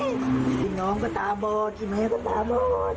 อย่างน้องก็ตาบ่ดแม่ก็ตาบ่ด